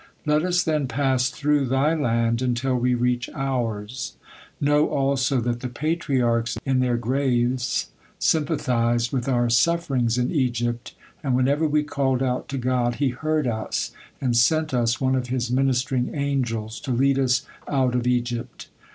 Let us then pass through thy land until we reach ours. Know also that the Patriarchs in their grave sympathized with our sufferings in Egypt, and whenever we called out to God He heard us, and sent us one of His ministering angels to lead us out of Egypt.